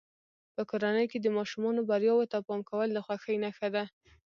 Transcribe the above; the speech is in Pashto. په کورنۍ کې د ماشومانو بریاوو ته پام کول د خوښۍ نښه ده.